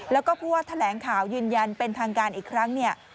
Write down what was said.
แล้วก็พูดว่าแถลงข่าวยืนยันเป็นทางการอีกครั้งเนี่ย